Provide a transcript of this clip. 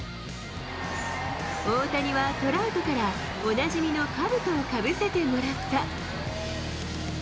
大谷はトラウトからおなじみのかぶとをかぶせてもらった。